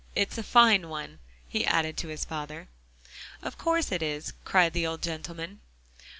It's a fine one," he added to his father. "Of course it is," cried the old gentleman.